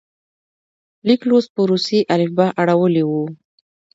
لیک لوست په روسي الفبا اړولی وو.